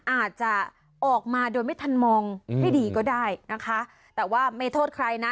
อาจจะออกมาโดยไม่ทันมองให้ดีก็ได้นะคะแต่ว่าไม่โทษใครนะ